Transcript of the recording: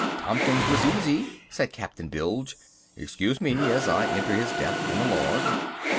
"Tompkins was easy," said Captain Bilge. "Excuse me as I enter his death in the log."